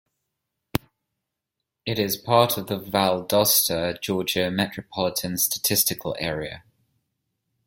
It is part of the Valdosta, Georgia Metropolitan Statistical Area.